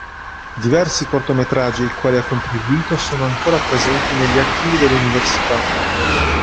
Diversi cortometraggi ai quali ha contribuito sono ancora presenti negli archivi dell'università.